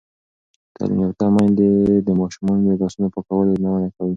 تعلیم یافته میندې د ماشومانو د لاسونو پاکولو یادونه کوي.